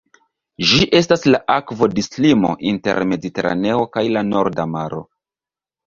Ĝi estas la akvodislimo inter Mediteraneo kaj la Norda Maro.